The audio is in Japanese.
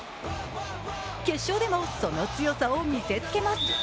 決勝でもその強さを見せつけます。